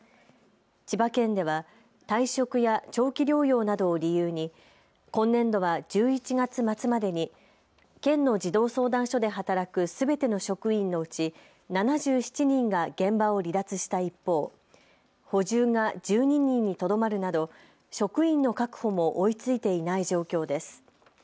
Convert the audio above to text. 千葉県では退職や長期療養などを理由に今年度は１１月末までに県の児童相談所で働くすべての職員のうち７７人が現場を離脱した一方、補充が１２人にとどまるなど職員の確保も追いついていない状況です。